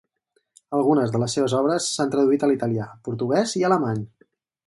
Algunes de les seves obres s'han traduït a l'italià, portuguès i alemany.